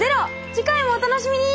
次回もお楽しみに！